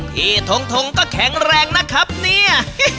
ทงทงก็แข็งแรงนะครับเนี่ย